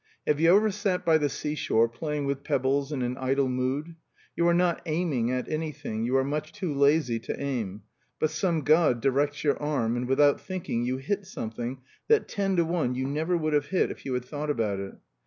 Have you ever sat by the seashore playing with pebbles in an idle mood? You are not aiming at anything, you are much too lazy to aim; but some god directs your arm, and, without thinking, you hit something that, ten to one, you never would have hit if you had thought about it.